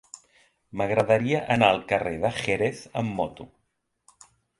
M'agradaria anar al carrer de Jerez amb moto.